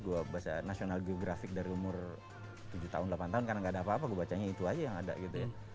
gue baca national geographic dari umur tujuh tahun delapan tahun karena gak ada apa apa gue bacanya itu aja yang ada gitu ya